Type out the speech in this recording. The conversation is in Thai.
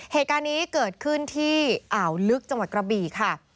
เหตุการณ์นี้เกิดขึ้นที่อ่าวลึกจังหวัดกระบี่ค่ะ